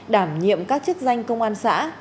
đảm nhiệm các chức danh công an xã